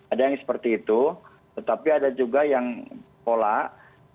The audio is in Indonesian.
ada yang seperti itu tetapi ada juga yang pola